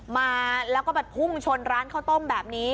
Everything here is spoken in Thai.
มาแล้วก็ไปพุ่งชนร้านข้าวต้มแบบนี้